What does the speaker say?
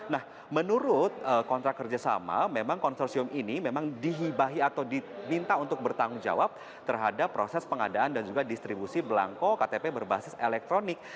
nah menurut kontrak kerjasama memang konsorsium ini memang dihibahi atau diminta untuk bertanggung jawab terhadap proses pengadaan dan juga distribusi belangko ktp berbasis elektronik